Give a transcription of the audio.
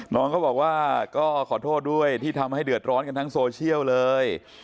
น้องเขาบอกว่าก็ขอโทษด้วยที่ทำให้เดือดร้อนกันทั้งโซเชียลเลย